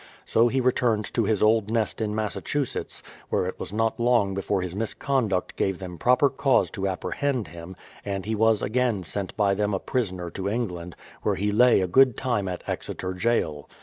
So he returned to his old nest in Massachusetts, where it was not long before his misconduct gave them proper cause to appre hend him, and he was again sent by them a prisoner to England, where he lay a good time in Exeter Gaol.